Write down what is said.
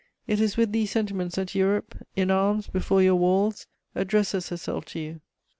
It is with these sentiments that Europe, in arms before your walls, addresses herself to you!"